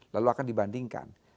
lalu akan dibandingkan